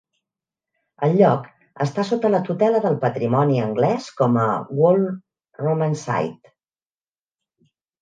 El lloc està sota la tutela del patrimoni anglès com a Wall Roman Site.